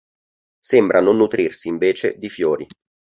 Sembra non nutrirsi invece di fiori.